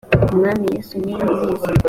umwami yesu niwe ubizi.